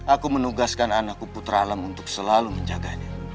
aku menugaskan anakku putra alam untuk selalu menjaganya